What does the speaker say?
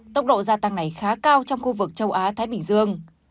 tốc độ gia tăng này khá cao trong khu vực châu á thái bình dương